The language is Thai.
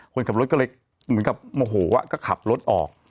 คนขับรถก็เลยเหมือนกับโมโหก็ขับรถออก